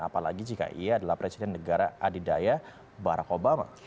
apalagi jika ia adalah presiden negara adidaya barack obama